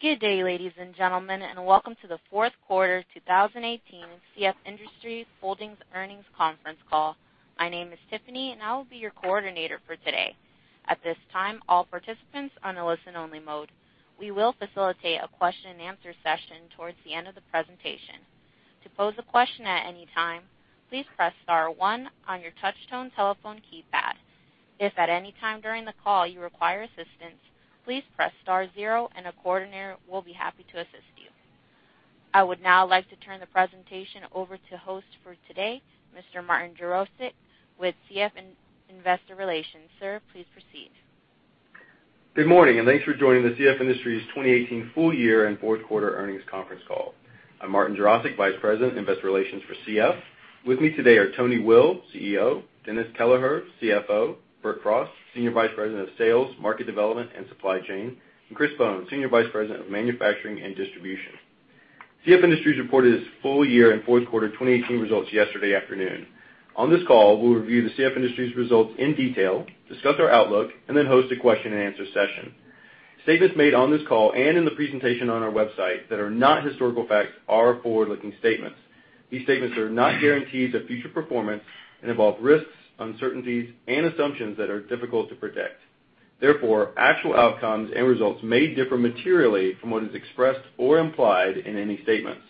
Good day, ladies and gentlemen, and welcome to the fourth quarter 2018 CF Industries holdings earnings conference call. My name is Tiffany, and I will be your coordinator for today. At this time, all participants are on listen only mode. We will facilitate a question-and-answer session towards the end of the presentation. To pose a question at any time, please press star one on your touchtone telephone keypad. If at any time during the call you require assistance, please press star zero and a coordinator will be happy to assist you. I would now like to turn the presentation over to host for today, Mr. Martin Jarosick with CF Investor Relations. Sir, please proceed. Good morning, thanks for joining the CF Industries 2018 full year and fourth quarter earnings conference call. I'm Martin Jarosick, Vice President, Investor Relations for CF. With me today are Tony Will, CEO; Dennis Kelleher, CFO; Bert Frost, Senior Vice President of Sales Market Development, and Supply Chain; and Chris Bohn, Senior Vice President of Manufacturing and Distribution. CF Industries reported its full year and fourth quarter 2018 results yesterday afternoon. On this call, we'll review the CF Industries results in detail, discuss our outlook, host a question and answer session. Statements made on this call and in the presentation on our website that are not historical facts are forward-looking statements. These statements are not guarantees of future performance and involve risks, uncertainties, and assumptions that are difficult to predict. Therefore, actual outcomes and results may differ materially from what is expressed or implied in any statements.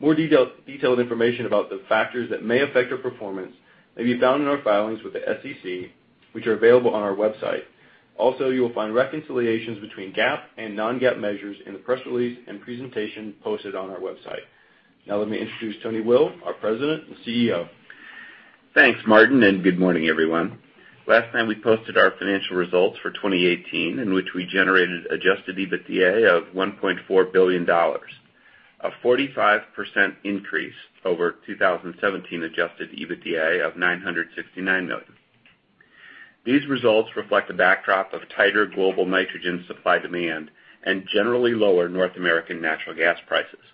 More detailed information about the factors that may affect our performance may be found in our filings with the SEC, which are available on our website. You will find reconciliations between GAAP and non-GAAP measures in the press release and presentation posted on our website. Let me introduce Tony Will, our President and CEO. Thanks, Martin, good morning, everyone. Last time we posted our financial results for 2018, in which we generated adjusted EBITDA of $1.4 billion, a 45% increase over 2017 adjusted EBITDA of $969 million. These results reflect a backdrop of tighter global nitrogen supply demand and generally lower North American natural gas prices.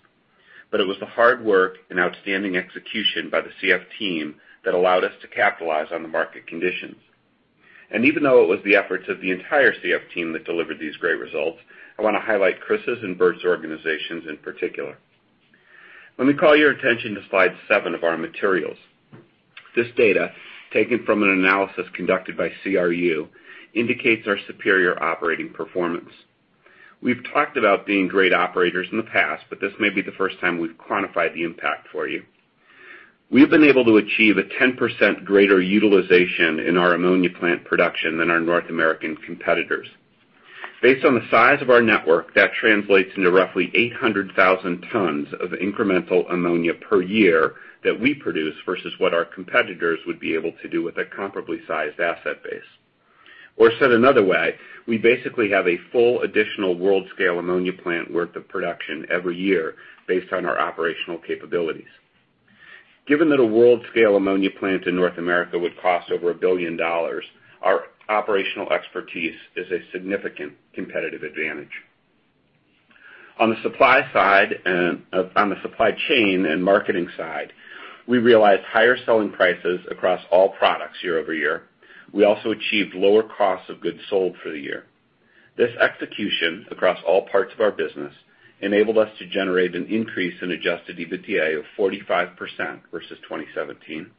It was the hard work and outstanding execution by the CF team that allowed us to capitalize on the market conditions. Even though it was the efforts of the entire CF team that delivered these great results, I want to highlight Chris' and Bert's organizations in particular. Let me call your attention to slide seven of our materials. This data, taken from an analysis conducted by CRU, indicates our superior operating performance. We've talked about being great operators in the past, this may be the first time we've quantified the impact for you. We've been able to achieve a 10% greater utilization in our Ammonia plant production than our North American competitors. Based on the size of our network, that translates into roughly 800,000 tons of incremental Ammonia per year that we produce versus what our competitors would be able to do with a comparably sized asset base. Said another way, we basically have a full additional world-scale Ammonia plant worth of production every year based on our operational capabilities. Given that a world-scale Ammonia plant in North America would cost over $1 billion, our operational expertise is a significant competitive advantage. On the supply chain and marketing side, we realized higher selling prices across all products year-over-year. We also achieved lower costs of goods sold for the year. This execution across all parts of our business enabled us to generate an increase in adjusted EBITDA of 45% versus 2017.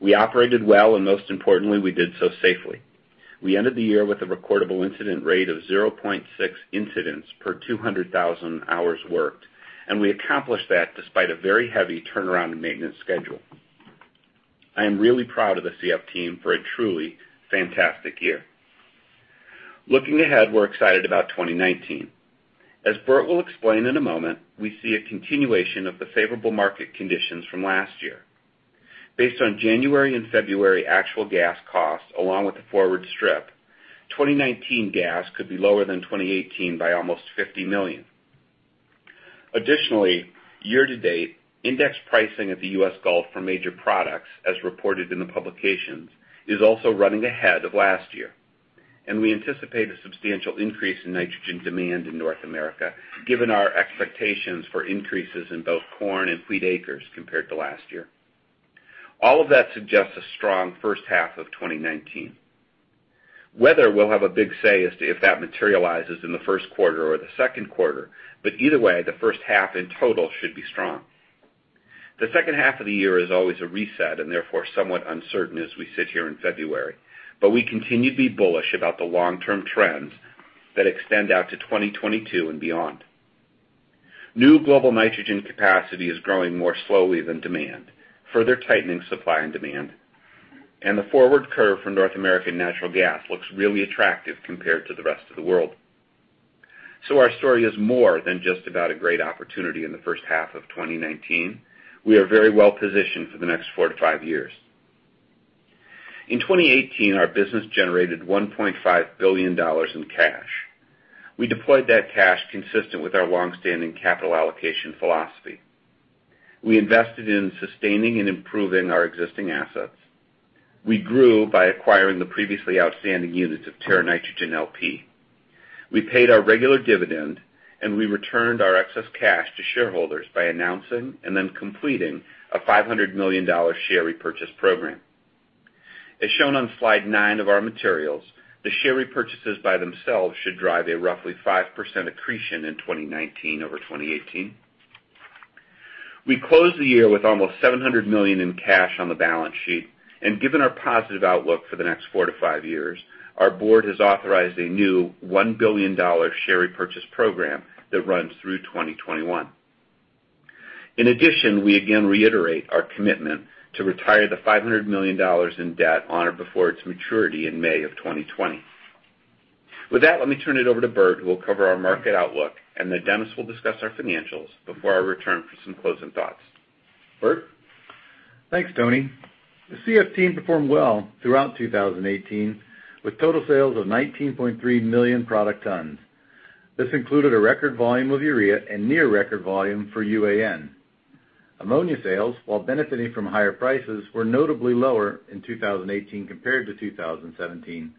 We operated well, and most importantly, we did so safely. We ended the year with a recordable incident rate of 0.6 incidents per 200,000 hours worked, and we accomplished that despite a very heavy turnaround in maintenance schedule. I am really proud of the CF team for a truly fantastic year. Looking ahead, we're excited about 2019. As Bert will explain in a moment, we see a continuation of the favorable market conditions from last year. Based on January and February actual gas costs, along with the forward strip, 2019 gas could be lower than 2018 by almost $50 million. Additionally, year to date, index pricing at the U.S. Gulf for major products, as reported in the publications, is also running ahead of last year, we anticipate a substantial increase in nitrogen demand in North America, given our expectations for increases in both corn and wheat acres compared to last year. All of that suggests a strong first half of 2019. Weather will have a big say as to if that materializes in the first quarter or the second quarter, either way, the first half in total should be strong. The second half of the year is always a reset, and therefore somewhat uncertain as we sit here in February. We continue to be bullish about the long-term trends that extend out to 2022 and beyond. New global nitrogen capacity is growing more slowly than demand, further tightening supply and demand. The forward curve for North American natural gas looks really attractive compared to the rest of the world. Our story is more than just about a great opportunity in the first half of 2019. We are very well positioned for the next four to five years. In 2018, our business generated $1.5 billion in cash. We deployed that cash consistent with our longstanding capital allocation philosophy. We invested in sustaining and improving our existing assets. We grew by acquiring the previously outstanding units of Terra Nitrogen L.P. We paid our regular dividend, and we returned our excess cash to shareholders by announcing and then completing a $500 million share repurchase program. As shown on slide nine of our materials, the share repurchases by themselves should drive a roughly 5% accretion in 2019 over 2018. We closed the year with almost $700 million in cash on the balance sheet. Given our positive outlook for the next four to five years, our board has authorized a new $1 billion share repurchase program that runs through 2021. In addition, we again reiterate our commitment to retire the $500 million in debt on or before its maturity in May of 2020. With that, let me turn it over to Bert, who will cover our market outlook, and then Dennis will discuss our financials before I return for some closing thoughts. Bert? Thanks, Tony. The CF team performed well throughout 2018 with total sales of 19.3 million product tons. This included a record volume of Urea and near record volume for UAN. Ammonia sales, while benefiting from higher prices, were notably lower in 2018 compared to 2017.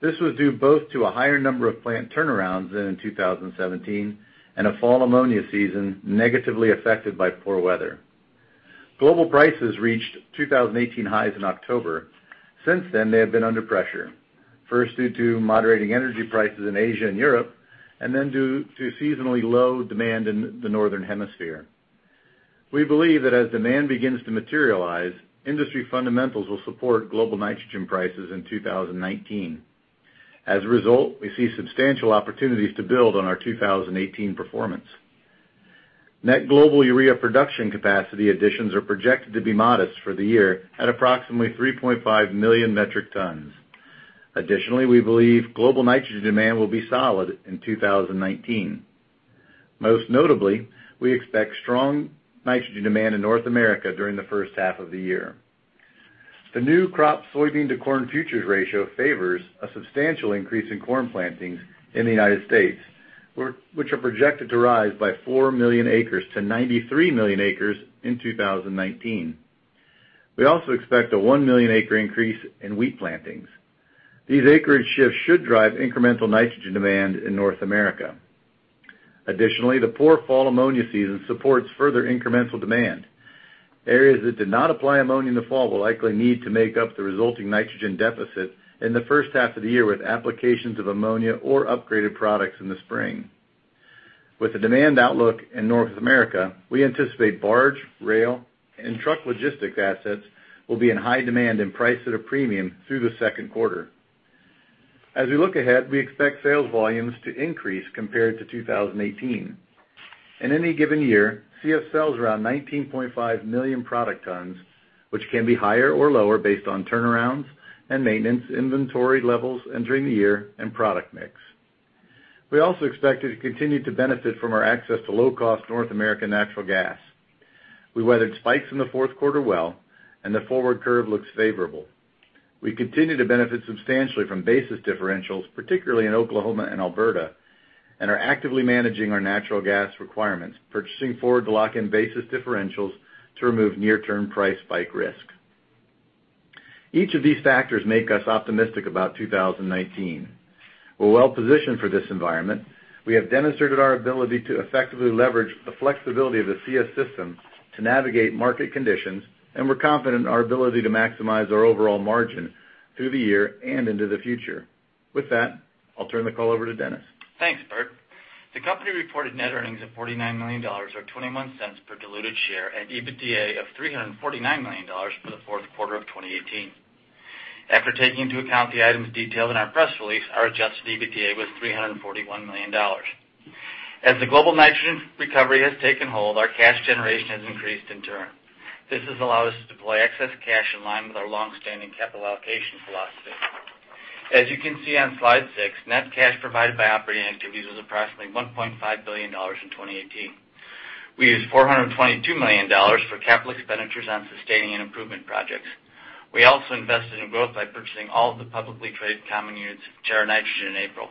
This was due both to a higher number of plant turnarounds than in 2017 and a fall Ammonia season negatively affected by poor weather. Global prices reached 2018 highs in October. Since then, they have been under pressure, first due to moderating energy prices in Asia and Europe, and then due to seasonally low demand in the Northern Hemisphere. We believe that as demand begins to materialize, industry fundamentals will support global nitrogen prices in 2019. As a result, we see substantial opportunities to build on our 2018 performance. Net global Urea production capacity additions are projected to be modest for the year at approximately 3.5 million metric tons. Additionally, we believe global nitrogen demand will be solid in 2019. Most notably, we expect strong nitrogen demand in North America during the first half of the year. The new crop soybean to corn futures ratio favors a substantial increase in corn plantings in the United States, which are projected to rise by four million acres to 93 million acres in 2019. We also expect a one million acre increase in wheat plantings. These acreage shifts should drive incremental nitrogen demand in North America. Additionally, the poor fall Ammonia season supports further incremental demand. Areas that did not apply Ammonia in the fall will likely need to make up the resulting nitrogen deficit in the first half of the year with applications of Ammonia or upgraded products in the spring. With the demand outlook in North America, we anticipate barge, rail, and truck logistics assets will be in high demand and priced at a premium through the second quarter. As we look ahead, we expect sales volumes to increase compared to 2018. In any given year, CF sells around 19.5 million product tons, which can be higher or lower based on turnarounds and maintenance inventory levels entering the year and product mix. We also expect it to continue to benefit from our access to low-cost North American natural gas. We weathered spikes in the fourth quarter well and the forward curve looks favorable. We continue to benefit substantially from basis differentials, particularly in Oklahoma and Alberta, and are actively managing our natural gas requirements, purchasing forward to lock in basis differentials to remove near-term price spike risk. Each of these factors make us optimistic about 2019. We're well-positioned for this environment. We have demonstrated our ability to effectively leverage the flexibility of the CF system to navigate market conditions, and we're confident in our ability to maximize our overall margin through the year and into the future. With that, I'll turn the call over to Dennis. Thanks, Bert. The company reported net earnings of $49 million, or $0.21 per diluted share, and EBITDA of $349 million for the fourth quarter of 2018. After taking into account the items detailed in our press release, our adjusted EBITDA was $341 million. As the global nitrogen recovery has taken hold, our cash generation has increased in turn. This has allowed us to deploy excess cash in line with our long-standing capital allocation philosophy. As you can see on slide six, net cash provided by operating activities was approximately $1.5 billion in 2018. We used $422 million for capital expenditures on sustaining and improvement projects. We also invested in growth by purchasing all of the publicly traded common units of Terra Nitrogen in April.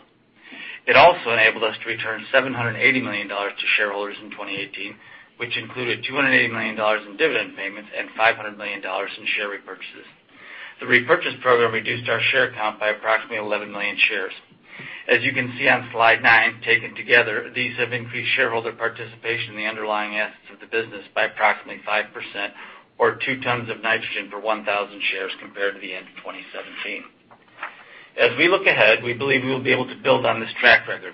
It also enabled us to return $780 million to shareholders in 2018, which included $280 million in dividend payments and $500 million in share repurchases. The repurchase program reduced our share count by approximately 11 million shares. As you can see on slide nine, taken together, these have increased shareholder participation in the underlying assets of the business by approximately 5% or two tons of nitrogen per 1,000 shares compared to the end of 2017. As we look ahead, we believe we will be able to build on this track record.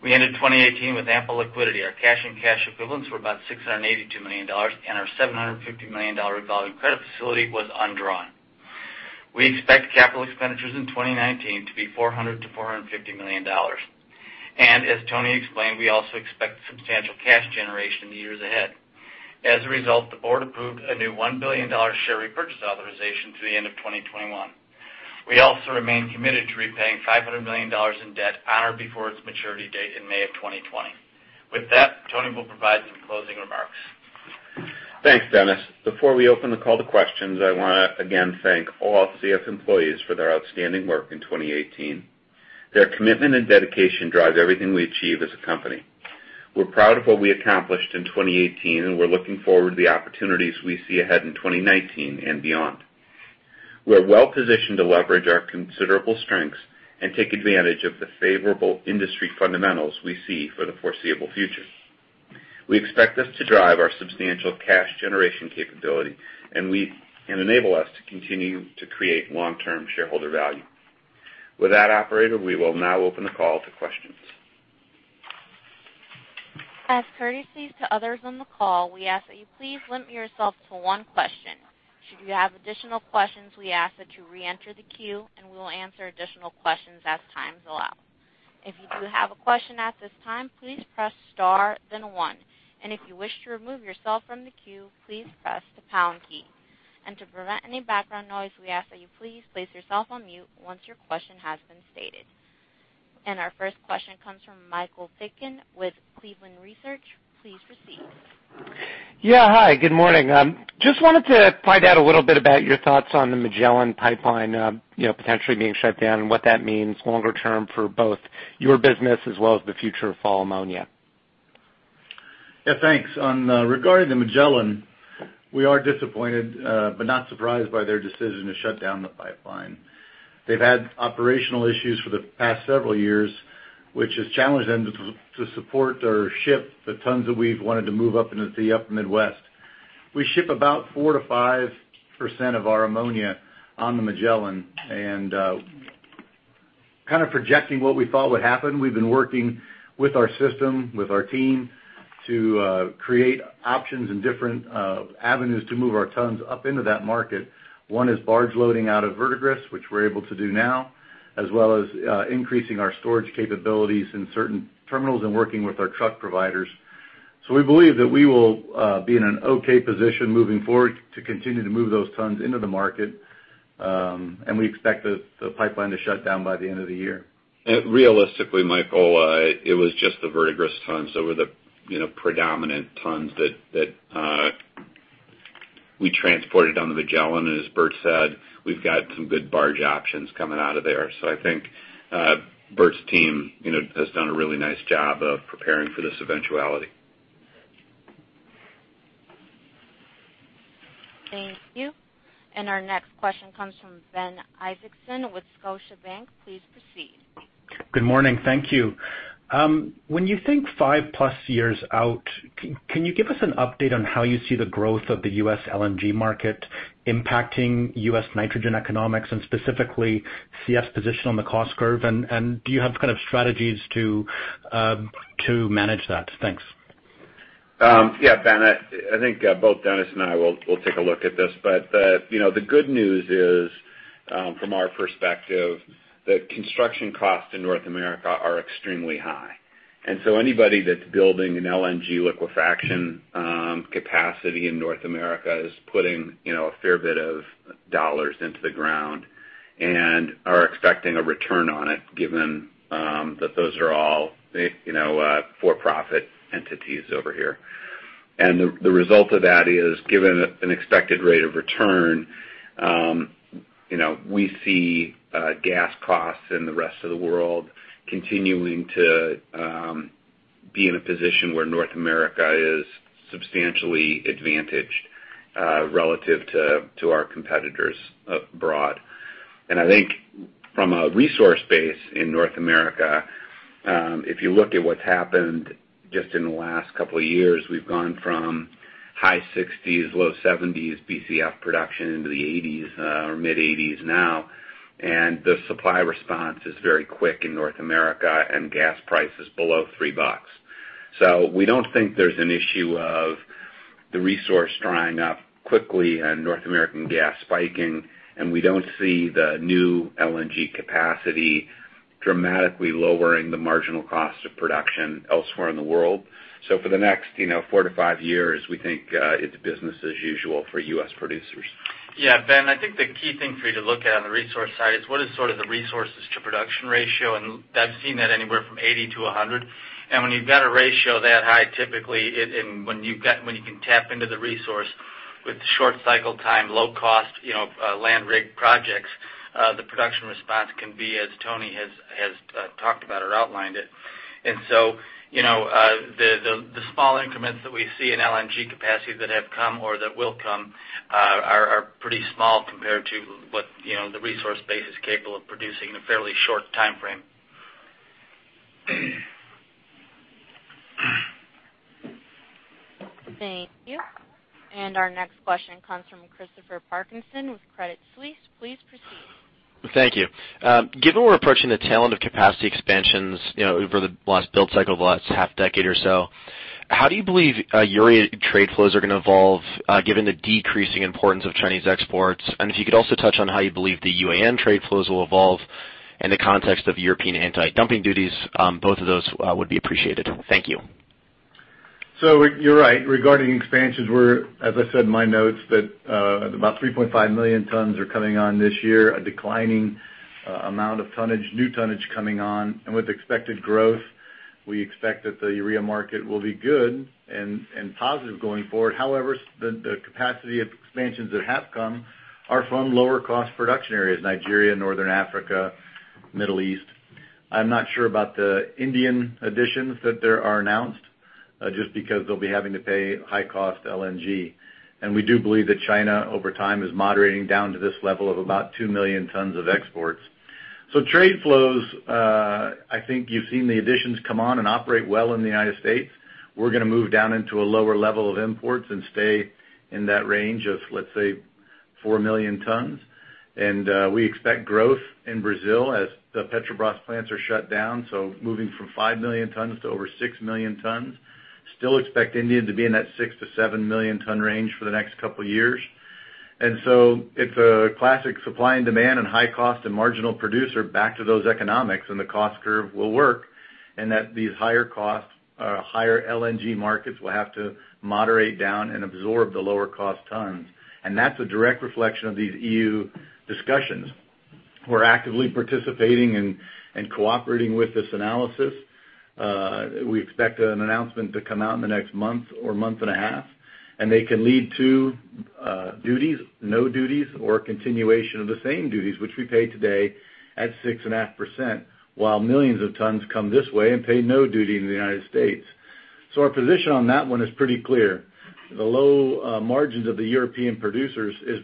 We ended 2018 with ample liquidity. Our cash and cash equivalents were about $682 million, and our $750 million revolving credit facility was undrawn. We expect capital expenditures in 2019 to be $400 million-$450 million. As Tony explained, we also expect substantial cash generation in the years ahead. As a result, the board approved a new $1 billion share repurchase authorization through the end of 2021. We also remain committed to repaying $500 million in debt on or before its maturity date in May of 2020. With that, Tony will provide some closing remarks. Thanks, Dennis. Before we open the call to questions, I want to again thank all CF employees for their outstanding work in 2018. Their commitment and dedication drives everything we achieve as a company. We're proud of what we accomplished in 2018. We're looking forward to the opportunities we see ahead in 2019 and beyond. We are well-positioned to leverage our considerable strengths and take advantage of the favorable industry fundamentals we see for the foreseeable future. We expect this to drive our substantial cash generation capability and enable us to continue to create long-term shareholder value. With that, operator, we will now open the call to questions. As courtesies to others on the call, we ask that you please limit yourself to one question. Should you have additional questions, we ask that you reenter the queue. We will answer additional questions as time allows. If you do have a question at this time, please press star then one. If you wish to remove yourself from the queue, please press the pound key. To prevent any background noise, we ask that you please place yourself on mute once your question has been stated. Our first question comes from Michael Piken with Cleveland Research. Please proceed. Yeah. Hi, good morning. Just wanted to find out a little bit about your thoughts on the Magellan pipeline potentially being shut down and what that means longer term for both your business as well as the future of all Ammonia. Yeah, thanks. Regarding the Magellan, we are disappointed, but not surprised by their decision to shut down the pipeline. They've had operational issues for the past several years, which has challenged them to support or ship the tons that we've wanted to move up into the Midwest. We ship about 4%-5% of our Ammonia on the Magellan. Kind of projecting what we thought would happen, we've been working with our system, with our team, to create options and different avenues to move our tons up into that market. One is barge loading out of Verdigris, which we're able to do now, as well as increasing our storage capabilities in certain terminals and working with our truck providers. We believe that we will be in an okay position moving forward to continue to move those tons into the market. We expect the pipeline to shut down by the end of the year. Realistically, Michael, it was just the Verdigris tons that were the predominant tons that we transported on the Magellan. As Bert said, we've got some good barge options coming out of there. I think Bert's team has done a really nice job of preparing for this eventuality. Thank you. Our next question comes from Ben Isaacson with Scotiabank. Please proceed. Good morning. Thank you. When you think five-plus years out, can you give us an update on how you see the growth of the U.S. LNG market impacting U.S. nitrogen economics and specifically CF's position on the cost curve? Do you have strategies to manage that? Thanks. Ben, I think both Dennis and I will take a look at this. The good news is, from our perspective, that construction costs in North America are extremely high. Anybody that's building an LNG liquefaction capacity in North America is putting a fair bit of dollars into the ground and are expecting a return on it, given that those are all for-profit entities over here. The result of that is, given an expected rate of return, we see gas costs in the rest of the world continuing to be in a position where North America is substantially advantaged relative to our competitors abroad. I think from a resource base in North America, if you look at what's happened just in the last couple of years, we've gone from high 60s, low 70s BCF production into the 80s or mid-80s now. The supply response is very quick in North America and gas price is below $3. We don't think there's an issue of the resource drying up quickly and North American gas spiking. We don't see the new LNG capacity dramatically lowering the marginal cost of production elsewhere in the world. For the next four to five years, we think it's business as usual for U.S. producers. Ben, I think the key thing for you to look at on the resource side is what is sort of the resources to production ratio. I've seen that anywhere from 80 to 100. When you've got a ratio that high, typically when you can tap into the resource with short cycle time, low cost, land rig projects, the production response can be as Tony has talked about or outlined it. The small increments that we see in LNG capacity that have come or that will come are pretty small compared to what the resource base is capable of producing in a fairly short timeframe. Thank you. Our next question comes from Christopher Parkinson with Credit Suisse. Please proceed. Thank you. Given we're approaching the tail end of capacity expansions over the last build cycle of the last half decade or so, how do you believe Urea trade flows are going to evolve given the decreasing importance of Chinese exports? If you could also touch on how you believe the UAN trade flows will evolve in the context of European anti-dumping duties. Both of those would be appreciated. Thank you. You're right. Regarding expansions, as I said in my notes, that about 3.5 million tons are coming on this year, a declining amount of new tonnage coming on. With expected growth, we expect that the Urea market will be good and positive going forward. However, the capacity expansions that have come are from lower cost production areas, Nigeria, Northern Africa, Middle East. I'm not sure about the Indian additions that are announced, just because they'll be having to pay high cost LNG. We do believe that China, over time, is moderating down to this level of about two million tons of exports. Trade flows, I think you've seen the additions come on and operate well in the U.S. We're going to move down into a lower level of imports and stay in that range of, let's say, four million tons. We expect growth in Brazil as the Petrobras plants are shut down, so moving from five million tons to over six million tons. Still expect India to be in that six to seven million ton range for the next couple of years. It's a classic supply and demand and high cost and marginal producer back to those economics, and the cost curve will work. That these higher costs, higher LNG markets will have to moderate down and absorb the lower cost tons. That's a direct reflection of these EU discussions. We're actively participating and cooperating with this analysis. We expect an announcement to come out in the next month or month and a half, and they can lead to duties, no duties, or a continuation of the same duties which we pay today at 6.5%, while millions of tons come this way and pay no duty in the U.S. Our position on that one is pretty clear. The low margins of the European producers is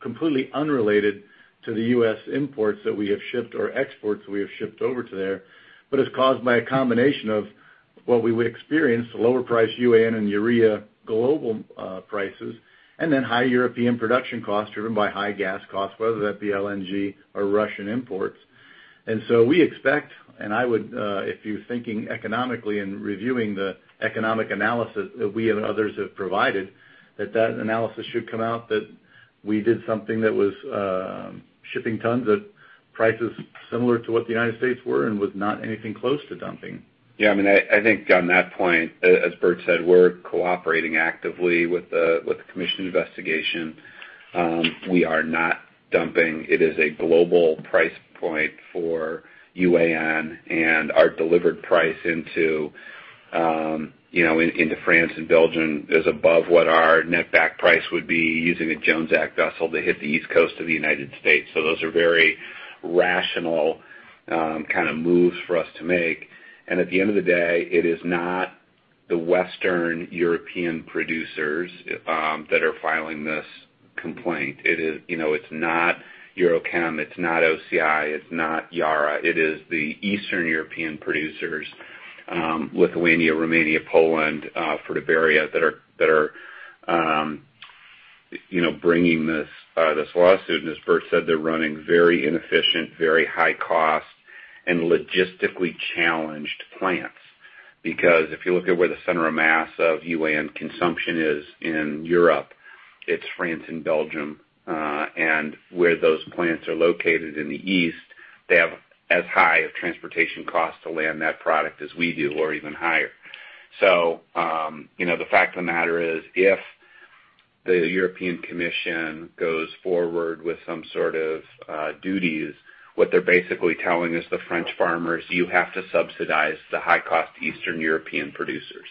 completely unrelated to the U.S. imports that we have shipped or exports we have shipped over to there, but is caused by a combination of what we would experience, the lower price UAN and Urea global prices, and then high European production costs driven by high gas costs, whether that be LNG or Russian imports. We expect, if you're thinking economically and reviewing the economic analysis that we and others have provided, that that analysis should come out that we did something that was shipping tons at prices similar to what the U.S. were and was not anything close to dumping. Yeah, I think on that point, as Bert said, we're cooperating actively with the commission investigation. We are not dumping. It is a global price point for UAN, and our delivered price into France and Belgium is above what our net-back price would be using a Jones Act vessel to hit the East Coast of the U.S. Those are very rational kind of moves for us to make. At the end of the day, it is not the Western European producers that are filing this complaint. It's not EuroChem, it's not OCI, it's not Yara. It is the Eastern European producers, Lithuania, Romania, Poland, Fertiberia, that are bringing this lawsuit. As Bert said, they're running very inefficient, very high cost, and logistically challenged plants. If you look at where the center of mass of UAN consumption is in Europe, it's France and Belgium. Where those plants are located in the east, they have as high of transportation costs to land that product as we do, or even higher. The fact of the matter is, if the European Commission goes forward with some sort of duties, what they're basically telling is the French farmers, "You have to subsidize the high cost Eastern European producers."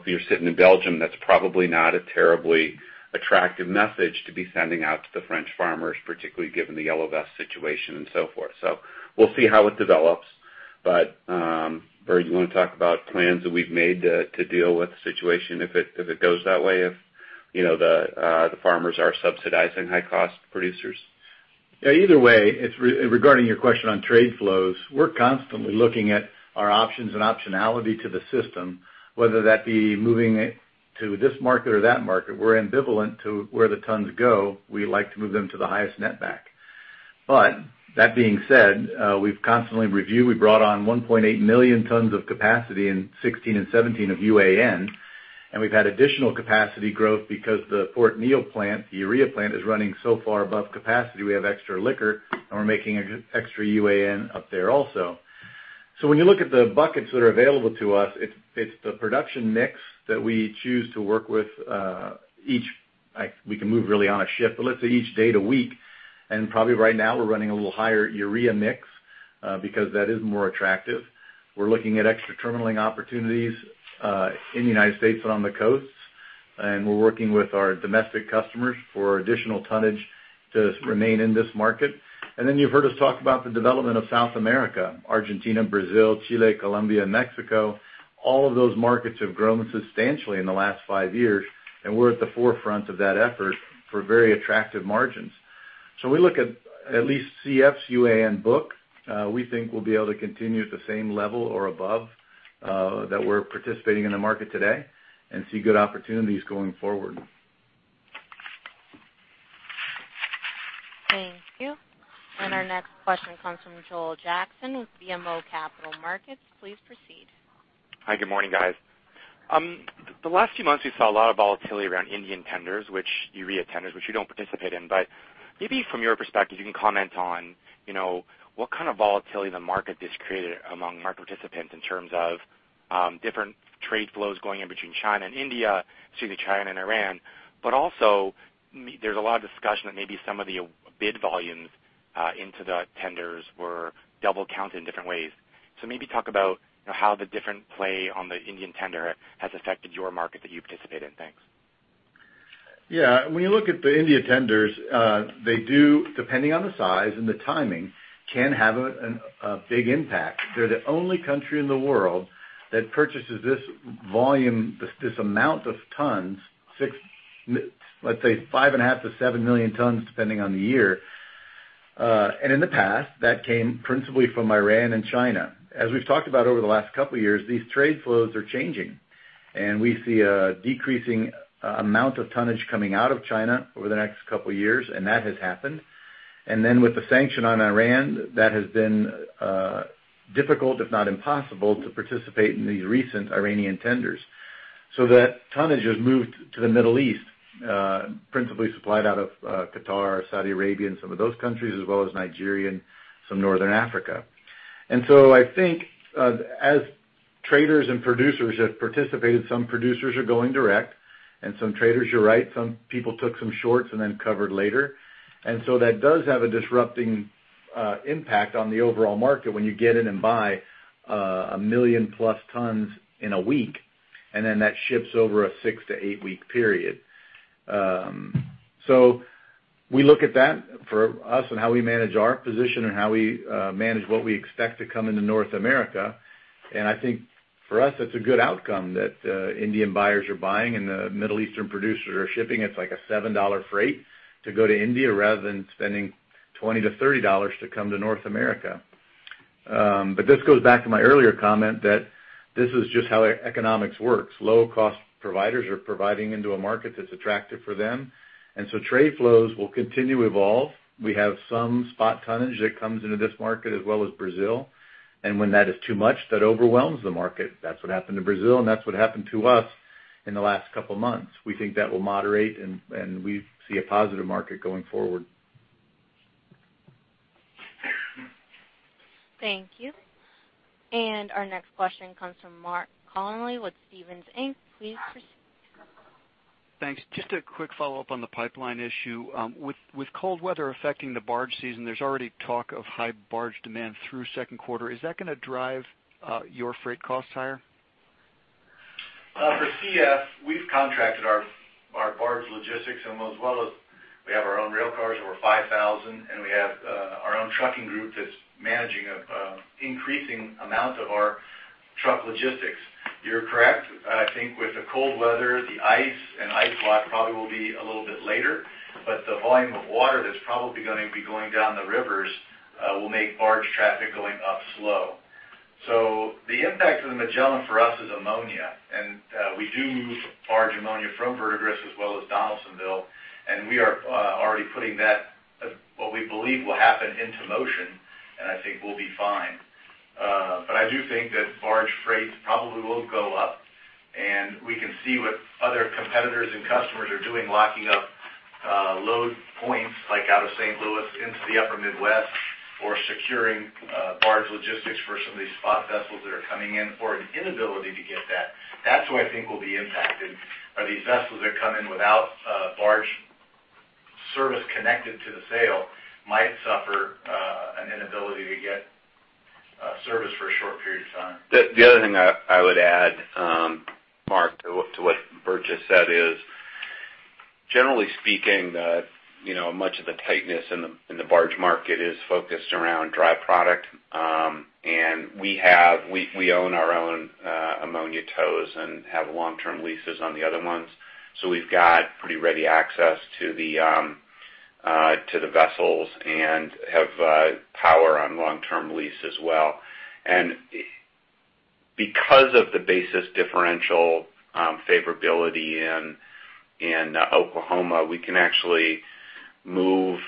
If you're sitting in Belgium, that's probably not a terribly attractive message to be sending out to the French farmers, particularly given the yellow vest situation and so forth. We'll see how it develops. Bert, you want to talk about plans that we've made to deal with the situation if it goes that way, if the farmers are subsidizing high cost producers? Yeah, either way, regarding your question on trade flows, we're constantly looking at our options and optionality to the system, whether that be moving to this market or that market. We're ambivalent to where the tons go. We like to move them to the highest net back. That being said, we've constantly reviewed. We brought on 1.8 million tons of capacity in 2016 and 2017 of UAN, and we've had additional capacity growth because the Port Neal plant, the urea plant, is running so far above capacity, we have extra liquor, and we're making extra UAN up there also. When you look at the buckets that are available to us, it's the production mix that we choose to work with each day to week, and probably right now we're running a little higher Urea mix because that is more attractive. We're looking at extra terminaling opportunities in the U.S. but on the coasts. We're working with our domestic customers for additional tonnage to remain in this market. Then you've heard us talk about the development of South America, Argentina, Brazil, Chile, Colombia, and Mexico. All of those markets have grown substantially in the last 5 years, and we're at the forefront of that effort for very attractive margins. We look at least CF's UAN book. We think we'll be able to continue at the same level or above that we're participating in the market today and see good opportunities going forward. Thank you. Our next question comes from Joel Jackson with BMO Capital Markets. Please proceed. Hi, good morning, guys. The last few months, we saw a lot of volatility around Indian tenders, which Urea tenders, which you don't participate in. Maybe from your perspective, you can comment on what kind of volatility the market this created among market participants in terms of different trade flows going in between China and India, excuse me, China and Iran. Also, there's a lot of discussion that maybe some of the bid volumes into the tenders were double counted in different ways. Maybe talk about how the different play on the Indian tender has affected your market that you participate in. Thanks. Yeah. When you look at the India tenders, they do, depending on the size and the timing, can have a big impact. They're the only country in the world that purchases this volume, this amount of tons, let's say 5.5 million to seven million tons, depending on the year. In the past, that came principally from Iran and China. As we've talked about over the last couple of years, these trade flows are changing. We see a decreasing amount of tonnage coming out of China over the next couple of years, and that has happened. With the sanction on Iran, that has been difficult, if not impossible, to participate in these recent Iranian tenders. That tonnage has moved to the Middle East, principally supplied out of Qatar, Saudi Arabia, and some of those countries, as well as Nigeria and some Northern Africa. I think as traders and producers have participated, some producers are going direct. Some traders, you're right, some people took some shorts and then covered later. That does have a disrupting impact on the overall market when you get in and buy a one million-plus tons in a week, and then that ships over a six to eight-week period. We look at that for us and how we manage our position and how we manage what we expect to come into North America. I think for us, it's a good outcome that Indian buyers are buying and the Middle Eastern producers are shipping. It's like a $7 freight to go to India rather than spending $20-$30 to come to North America. This goes back to my earlier comment that this is just how economics works. Low-cost providers are providing into a market that's attractive for them. Trade flows will continue to evolve. We have some spot tonnage that comes into this market as well as Brazil. When that is too much, that overwhelms the market. That's what happened to Brazil, and that's what happened to us in the last couple of months. We think that will moderate. We see a positive market going forward. Thank you. Our next question comes from Mark Connelly with Stephens Inc. Please proceed. Thanks. Just a quick follow-up on the pipeline issue. With cold weather affecting the barge season, there's already talk of high barge demand through second quarter. Is that going to drive your freight costs higher? For CF, we've contracted our barge logistics almost as well as we have our own rail cars, over 5,000, and we have our own trucking group that's managing an increasing amount of our truck logistics. You're correct. I think with the cold weather, the ice and ice block probably will be a little bit later, the volume of water that's probably going to be going down the rivers will make barge traffic going up slow. The impact of the Magellan for us is Ammonia. We do move barge Ammonia from Verdigris as well as Donaldsonville, and we are already putting that, what we believe will happen, into motion, and I think we'll be fine. I do think that barge freight probably will go up, and we can see what other competitors and customers are doing, locking up load points like out of St. Louis into the upper Midwest or securing barge logistics for some of these spot vessels that are coming in or an inability to get that. That's who I think will be impacted are these vessels that come in without barge service connected to the sale might suffer an inability to get service for a short period of time. The other thing I would add, Mark, to what Bert said is generally speaking, much of the tightness in the barge market is focused around dry product. We own our own Ammonia tows and have long-term leases on the other ones. We've got pretty ready access to the vessels and have power on long-term lease as well. Because of the basis differential favorability in Oklahoma, we can actually move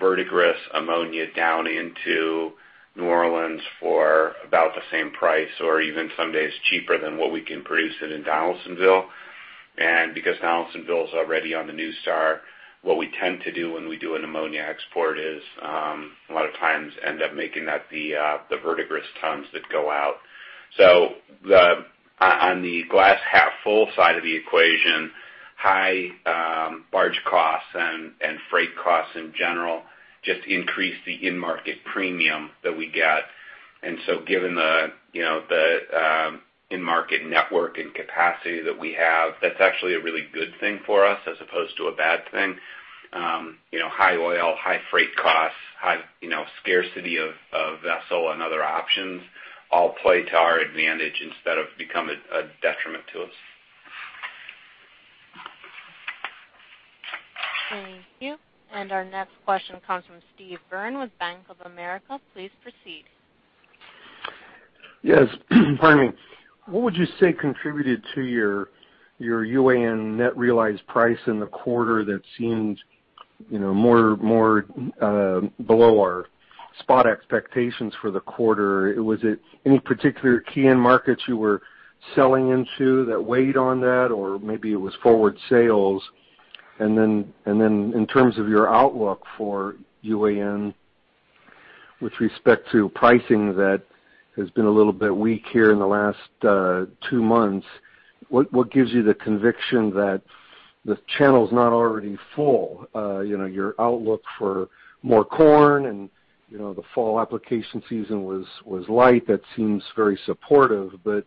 Verdigris Ammonia down into New Orleans for about the same price or even some days cheaper than what we can produce it in Donaldsonville. Because Donaldsonville is already on the Nustar, what we tend to do when we do an Ammonia export is a lot of times end up making that the Verdigris tons that go out. On the glass half full side of the equation, high barge costs and freight costs in general just increase the in-market premium that we get. Given the in-market network and capacity that we have, that's actually a really good thing for us as opposed to a bad thing. High oil, high freight costs, high scarcity of vessel and other options all play to our advantage instead of become a detriment to us. Thank you. Our next question comes from Steve Byrne with Bank of America. Please proceed. Yes. Pardon me. What would you say contributed to your UAN net realized price in the quarter that seemed more below our spot expectations for the quarter? Was it any particular key end markets you were selling into that weighed on that? Maybe it was forward sales. In terms of your outlook for UAN with respect to pricing that has been a little bit weak here in the last two months, what gives you the conviction that the channel's not already full? Your outlook for more corn and the fall application season was light. That seems very supportive, but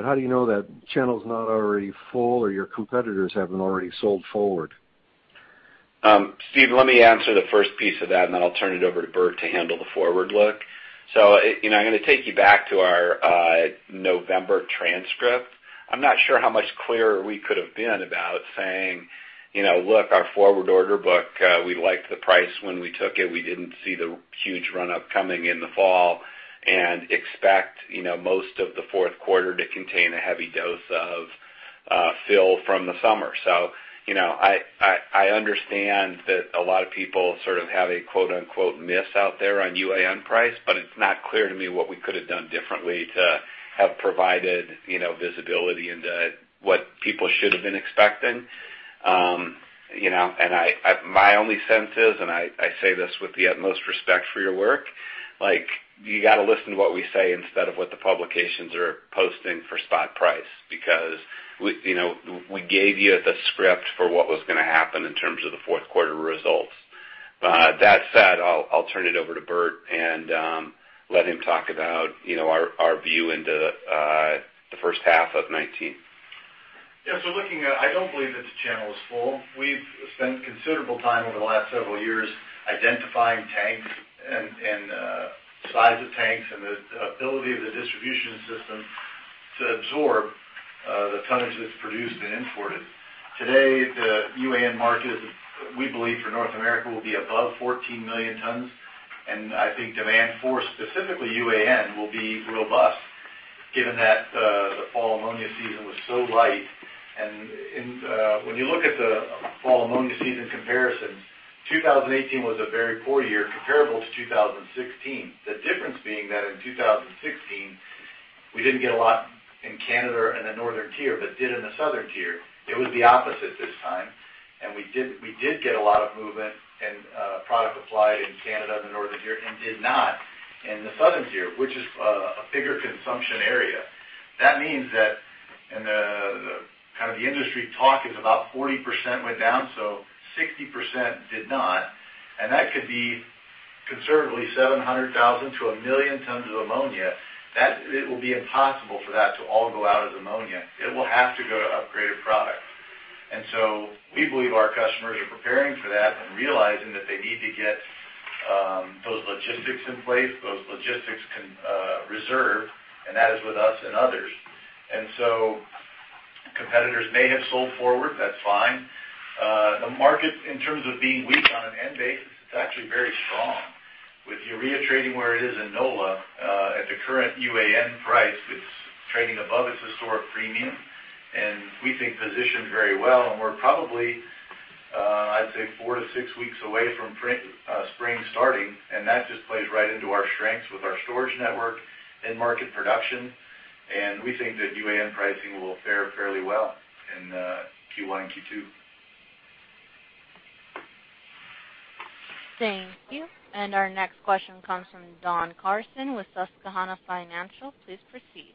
how do you know that channel's not already full or your competitors haven't already sold forward? Steve, let me answer the first piece of that, and then I'll turn it over to Bert to handle the forward look. I'm going to take you back to our November transcript. I'm not sure how much clearer we could have been about saying, "Look, our forward order book, we liked the price when we took it. We didn't see the huge run-up coming in the fall and expect most of the fourth quarter to contain a heavy dose of fill from the summer." I understand that a lot of people sort of have a quote-unquote "miss" out there on UAN price, but it's not clear to me what we could have done differently to have provided visibility into what people should have been expecting. My only sense is, and I say this with the utmost respect for your work. You got to listen to what we say instead of what the publications are posting for spot price, because we gave you the script for what was going to happen in terms of the fourth quarter results. That said, I'll turn it over to Bert and let him talk about our view into the first half of 2019. Looking at it, I don't believe that the channel is full. We've spent considerable time over the last several years identifying tanks and size of tanks and the ability of the distribution system to absorb the tonnage that's produced and imported. Today, the UAN market is, we believe, for North America, will be above 14 million tons, and I think demand for specifically UAN will be robust given that the fall Ammonia season was so light. When you look at the fall Ammonia season comparisons, 2018 was a very poor year comparable to 2016. The difference being that in 2016, we didn't get a lot in Canada or in the northern tier, but did in the southern tier. It was the opposite this time, we did get a lot of movement and product applied in Canada and the northern tier and did not in the southern tier, which is a bigger consumption area. The industry talk is about 40% went down so 60% did not, and that could be conservatively 700,000 to 1 million tons of Ammonia. It will be impossible for that to all go out as Ammonia. It will have to go to upgraded product. We believe our customers are preparing for that and realizing that they need to get those logistics in place, those logistics reserved, and that is with us and others. Competitors may have sold forward. That's fine. The market in terms of being weak on an end basis, it's actually very strong. With Urea trading where it is in NOLA at the current UAN price, it's trading above its historic premium, we think positioned very well, we're probably, I'd say four to six weeks away from spring starting, that just plays right into our strengths with our storage network and market production. We think that UAN pricing will fare fairly well in Q1 and Q2. Thank you. Our next question comes from Don Carson with Susquehanna Financial. Please proceed.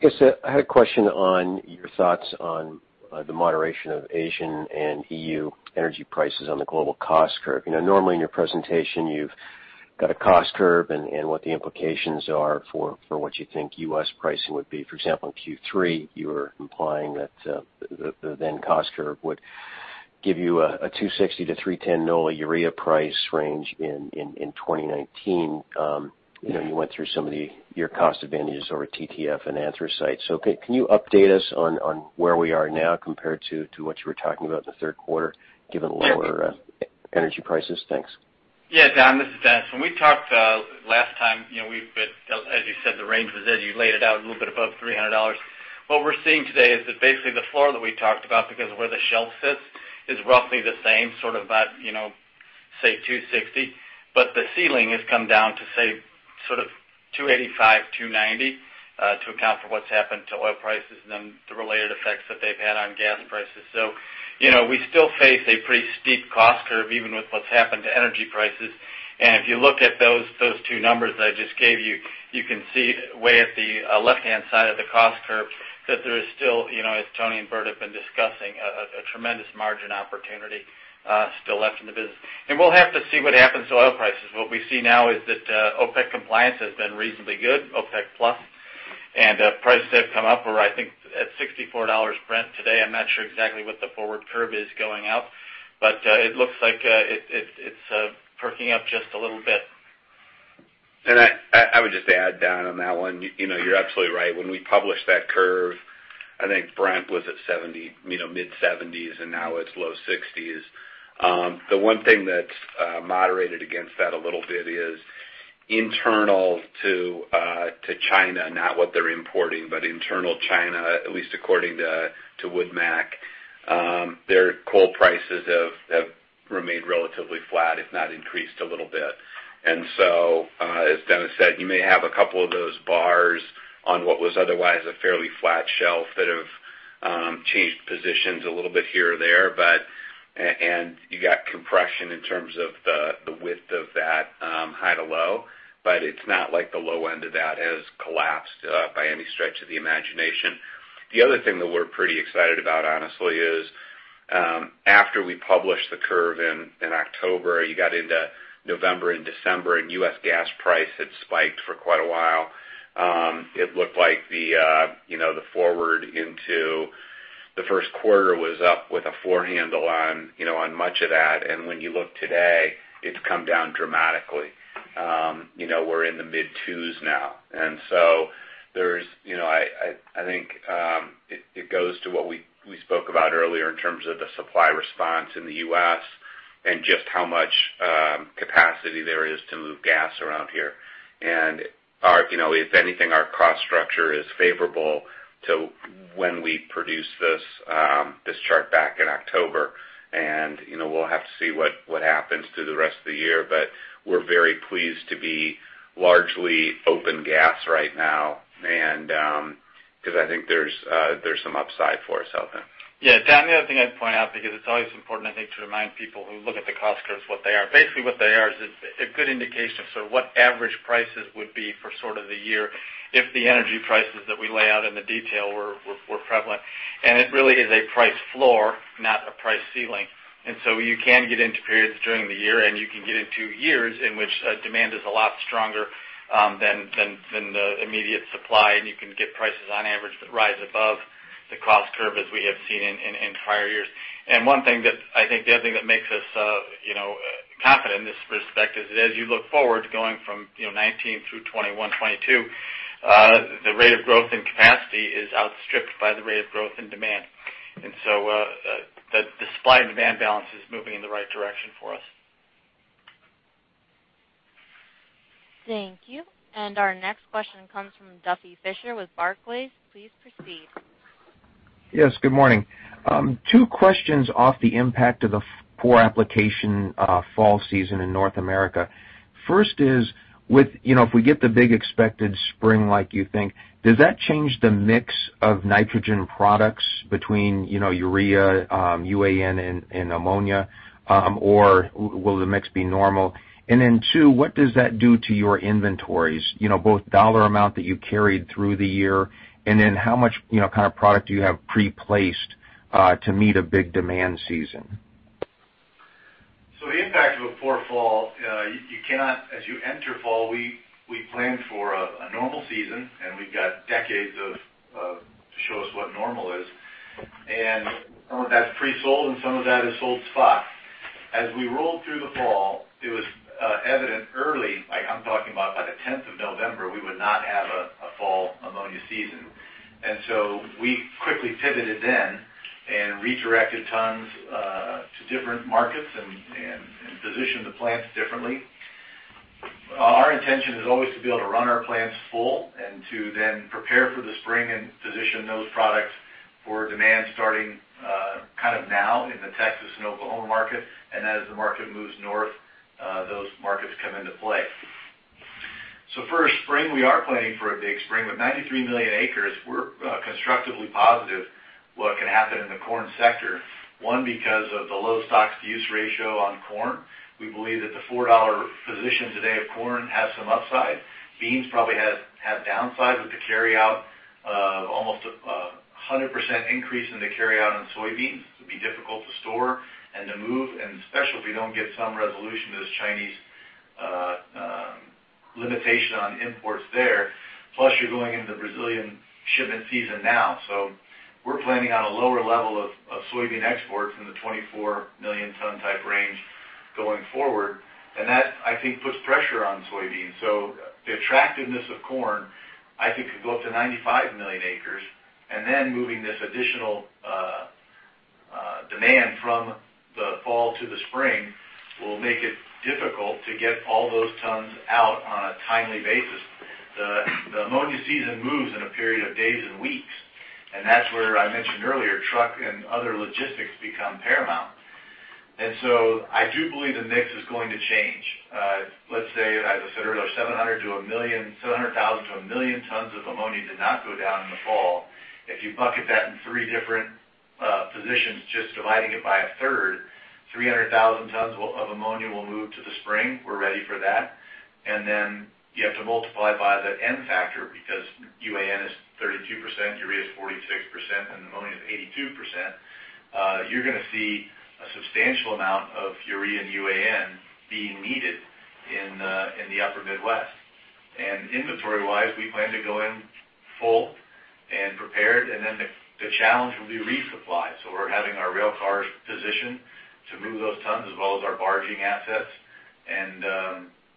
Yes, I had a question on your thoughts on the moderation of Asian and EU energy prices on the global cost curve. Normally in your presentation you've got a cost curve and what the implications are for what you think U.S. pricing would be. For example, in Q3, you were implying that the then cost curve would give you a $260-$310 NOLA Urea price range in 2019. You went through some of your cost advantages over TTF and anthracite. Can you update us on where we are now compared to what you were talking about in the third quarter given lower energy prices? Thanks. Yeah, Don, this is Dennis. When we talked last time, as you said, the range was there. You laid it out a little bit above $300. What we're seeing today is that basically the floor that we talked about, because of where the shelf sits, is roughly the same, sort of about say $260, the ceiling has come down to say sort of $285, $290 to account for what's happened to oil prices and the related effects that they've had on gas prices. We still face a pretty steep cost curve even with what's happened to energy prices. If you look at those two numbers that I just gave you can see way at the left-hand side of the cost curve that there is still, as Tony and Bert have been discussing, a tremendous margin opportunity still left in the business. We'll have to see what happens to oil prices. What we see now is that OPEC compliance has been reasonably good, OPEC+, prices have come up. We're I think at $64, Brent, today. I'm not sure exactly what the forward curve is going out, it looks like it's perking up just a little bit. I would just add, Don, on that one, you're absolutely right. When we published that curve, I think Brent was at mid $70s and now it's low $60s. The one thing that's moderated against that a little bit is internal to China, not what they're importing, but internal China, at least according to WoodMac, their coal prices have remained relatively flat, if not increased a little bit. As Dennis said, you may have a couple of those bars on what was otherwise a fairly flat shelf that have changed positions a little bit here or there. You got compression in terms of the width of that high to low, but it's not like the low end of that has collapsed by any stretch of the imagination. The other thing that we're pretty excited about honestly is after we published the curve in October, you got into November and December, U.S. gas price had spiked for quite a while. It looked like the forward into the first quarter was up with a four handle on much of that. When you look today, it's come down dramatically. We're in the mid twos now. I think it goes to what we spoke about earlier in terms of the supply response in the U.S. and just how much capacity there is to move gas around here. If anything, our cost structure is favorable to when we produced this chart back in October, we'll have to see what happens through the rest of the year. We're very pleased to be largely open gas right now, because I think there's some upside for us out there. Yeah, Don, the other thing I'd point out, because it's always important, I think, to remind people who look at the cost curves what they are. Basically what they are is a good indication of sort of what average prices would be for sort of the year if the energy prices that we lay out in the detail were prevalent. It really is a price floor, not a price ceiling. You can get into periods during the year, you can get into years in which demand is a lot stronger than the immediate supply. You can get prices on average that rise above the cost curve as we have seen in prior years. I think the other thing that makes us confident in this respect is that as you look forward to going from 2019 through 2021, 2022, the rate of growth in capacity is outstripped by the rate of growth in demand. The supply and demand balance is moving in the right direction for us. Thank you. Our next question comes from Duffy Fischer with Barclays. Please proceed. Yes, good morning. Two questions off the impact of the poor application fall season in North America. First is, if we get the big expected spring like you think, does that change the mix of nitrogen products between Urea, UAN, and Ammonia, or will the mix be normal? Then two, what does that do to your inventories, both dollar amount that you carried through the year, and then how much kind of product do you have pre-placed to meet a big demand season? The impact of a poor fall, as you enter fall, we plan for a normal season, we've got decades to show us what normal is. Some of that's pre-sold, and some of that is sold spot. As we rolled through the fall, it was evident early, like I'm talking about by the 10th of November, we would not have a fall Ammonia season. We quickly pivoted then and redirected tons to different markets and positioned the plants differently. Our intention is always to be able to run our plants full and to then prepare for the spring and position those products for demand starting kind of now in the Texas and Oklahoma market. As the market moves north, those markets come into play. For spring, we are planning for a big spring. With 93 million acres, we're constructively positive what can happen in the corn sector. Because of the low stocks to use ratio on corn. We believe that the $4 position today of corn has some upside. Beans probably have downside with the carryout of almost 100% increase in the carryout on soybeans. It would be difficult to store and to move, especially if we don't get some resolution to this Chinese limitation on imports there. You're going into the Brazilian shipment season now. We're planning on a lower level of soybean exports in the 24 million ton type range going forward. That, I think, puts pressure on soybeans. The attractiveness of corn, I think, could go up to 95 million acres, moving this additional demand from the fall to the spring will make it difficult to get all those tons out on a timely basis. The Ammonia season moves in a period of days and weeks, that's where I mentioned earlier, truck and other logistics become paramount. I do believe the mix is going to change. Let's say, as I said earlier, 700,000 to 1 million tons of Ammonia did not go down in the fall. If you bucket that in three different positions, just dividing it by a third, 300,000 tons of Ammonia will move to the spring. We're ready for that. Then you have to multiply by the N factor because UAN is 32%, Urea is 46%, and Ammonia is 82%. You're going to see a substantial amount of Urea and UAN being needed in the upper Midwest. Inventory wise, we plan to go in full and prepared, then the challenge will be resupply. We're having our rail cars positioned to move those tons as well as our barging assets,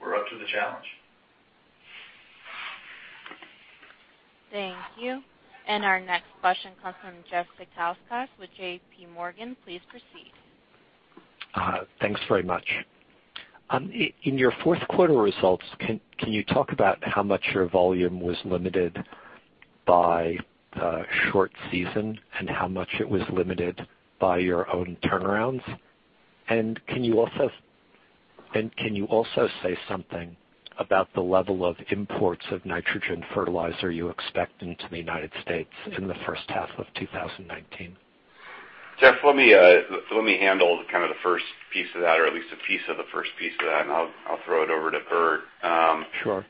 we're up to the challenge. Thank you. Our next question comes from Jeffrey Zekauskas with J.P. Morgan. Please proceed. Thanks very much. In your fourth quarter results, can you talk about how much your volume was limited by short season and how much it was limited by your own turnarounds? Can you also say something about the level of imports of nitrogen fertilizer you expect into the U.S. in the first half of 2019? Jeff, let me handle kind of the first piece of that, or at least a piece of the first piece of that, and I'll throw it over to Bert. Sure.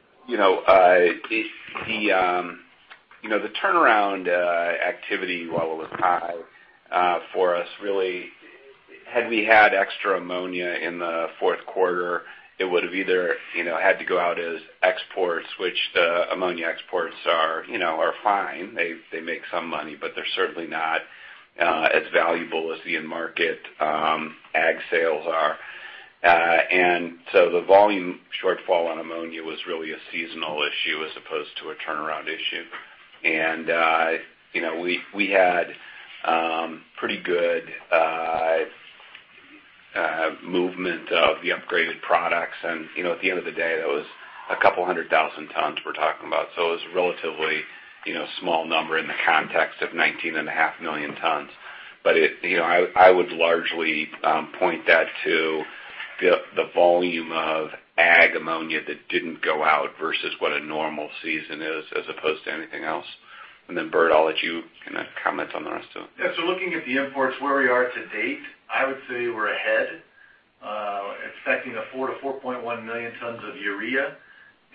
The turnaround activity level was high for us, really. Had we had extra Ammonia in the fourth quarter, it would have either had to go out as exports, which the Ammonia exports are fine. They make some money, but they're certainly not as valuable as the end market ag sales are. The volume shortfall on Ammonia was really a seasonal issue as opposed to a turnaround issue. We had pretty good movement of the upgraded products, and at the end of the day, that was a couple hundred thousand tons we're talking about. It was a relatively small number in the context of 19.5 million tons. I would largely point that to the volume of ag Ammonia that didn't go out versus what a normal season is as opposed to anything else. Bert, I'll let you comment on the rest of it. Yeah. Looking at the imports where we are to date, I would say we're ahead, expecting 4 million-4.1 million tons of Urea,